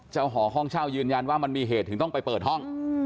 เจ้าของห้องเช่ายืนยันว่ามันมีเหตุถึงต้องไปเปิดห้อง